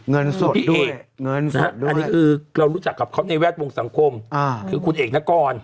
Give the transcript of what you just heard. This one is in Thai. สุดพี่เอกเงินอันนี้คือเรารู้จักกับเขาในแวดวงสังคมคือคุณเอกนกร